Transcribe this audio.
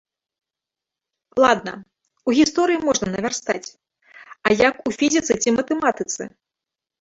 Ладна, у гісторыі можна навярстаць, а як у фізіцы ці матэматыцы?